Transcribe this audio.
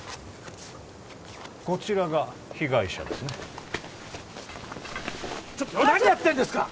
こちらが被害者ですねちょっと何やってんですか！？